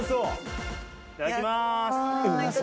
いただきます